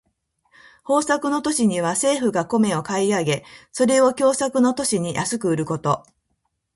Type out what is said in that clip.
豊作の年には政府が米を買い上げ、それを凶作の年に安く売ること。